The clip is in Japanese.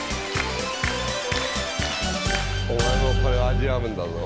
お前もこれ味わうんだぞ。